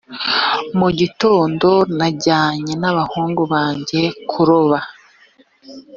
mu gitondo najyanye n abahungu banjye kuroba